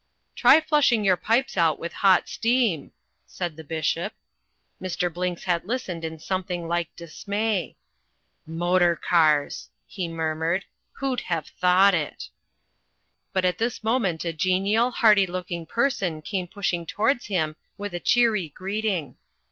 "Try flushing your pipes out with hot steam," said the Bishop. Mr. Blinks had listened in something like dismay. "Motor cars!" he murmured. "Who'd have thought it?" But at this moment a genial, hearty looking person came pushing towards him with a cheery greeting.